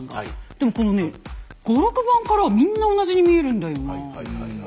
でもこのね５６番からはみんな同じに見えるんだよな。